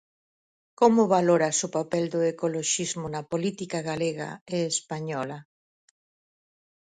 Como valoras o papel do ecoloxismo na política galega e española?